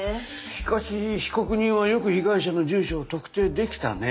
しかし被告人はよく被害者の住所を特定できたね。